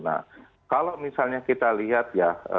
nah kalau misalnya kita lihat ya